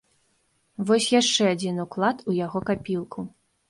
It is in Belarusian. Вось яшчэ адзін уклад у яго капілку.